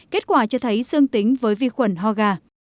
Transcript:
kết quả cho thấy dương tính với vi khuẩn ho gà